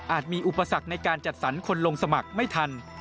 มีอุปสรรคในการจัดสรรคนลงสมัครไม่ทัน